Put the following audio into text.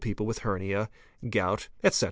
people with hernia, gout, ete.